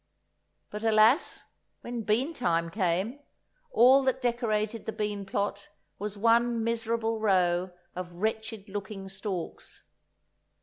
But alas, when bean time came, all that decorated the bean plot was one miserable row of wretched looking stalks.